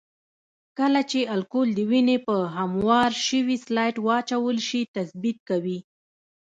کله چې الکول د وینې په هموار شوي سلایډ واچول شي تثبیت کوي.